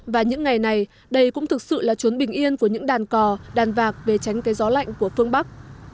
và những ngày này đây cũng thực sự là trốn bình yên của những đàn cò đàn vạc về tránh cây gió lạnh của phương bắc